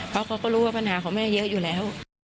เพราะเขาก็รู้ว่าปัญหาของแม่เยอะอยู่แล้ว